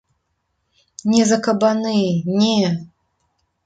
Не за кабаны, не.